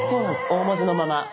大文字のまま。